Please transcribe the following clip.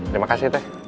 terima kasih teh